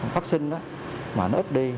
phát sinh mà nó ít đi